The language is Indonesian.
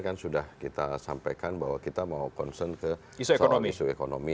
kan sudah kita sampaikan bahwa kita mau concern ke soal isu ekonomi